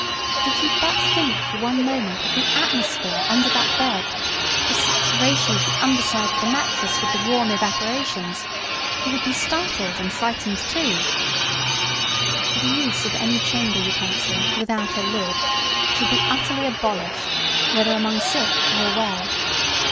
Did you but think for one moment of the atmosphere under that bed, the saturation of the under side of the mattress with the warm evaporations, you would be startled and frightened too! [Sidenote: Chamber utensils without lids.] The use of any chamber utensil without a lid should be utterly abolished, whether among sick or well.